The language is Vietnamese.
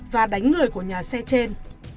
và đánh người của nhà xe trên